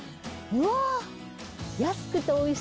うわ。